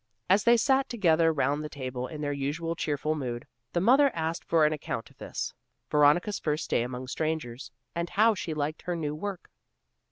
As they sat together round the table in their usual cheerful mood, the mother asked for an account of this, Veronica's first day among strangers, and how she liked her new work.